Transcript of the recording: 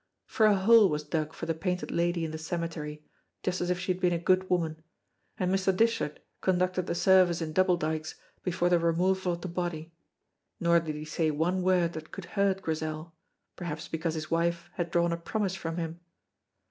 For a hole was dug for the Painted Lady in the cemetery, just as if she had been a good woman, and Mr. Dishart conducted the service in Double Dykes before the removal of the body, nor did he say one word that could hurt Grizel, perhaps because his wife had drawn a promise from him.